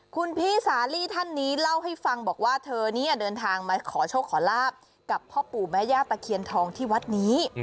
คุณพี่สาลีท่านนี้เล่าให้ฟังบอกว่าเธอเนี่ยเดินทางมาขอโชคขอลาบกับพ่อปู่แม่ย่าตะเคียนทองที่วัดนี้